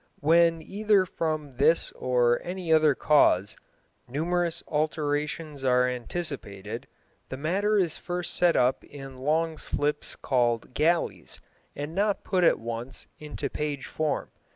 When either from this or any other cause numerous alterations are anticipated, the matter is first set up in long slips called "galleys," and not put at once into page form.